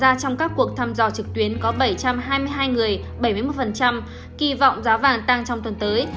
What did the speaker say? ngoài ra trong các cuộc thăm dò trực tuyến có bảy trăm hai mươi hai người bảy mươi một kỳ vọng giá vàng tăng trong tuần tới